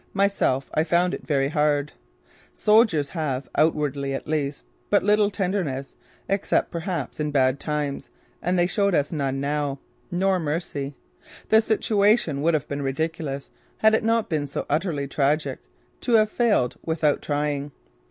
Myself, I found it very hard. Soldiers have, outwardly at least, but little tenderness, except perhaps in bad times, and they showed none now. Nor mercy. The situation would have been ridiculous had it not been so utterly tragic to have failed without trying!